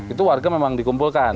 itu warga memang dikumpulkan